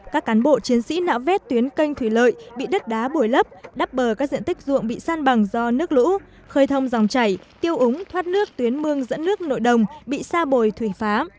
các cán bộ chiến sĩ nạo vét tuyến canh thủy lợi bị đất đá bồi lấp đắp bờ các diện tích ruộng bị san bằng do nước lũ khơi thông dòng chảy tiêu úng thoát nước tuyến mương dẫn nước nội đồng bị xa bồi thủy phá